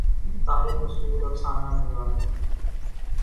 طاہر مسعود افسانہ نگار ہیں۔